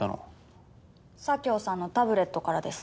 佐京さんのタブレットからです